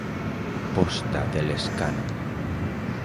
Posta de Lescano.